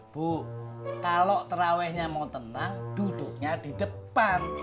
bu kalau terawihnya mau tenang duduknya di depan